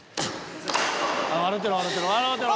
ああ笑てる笑てる。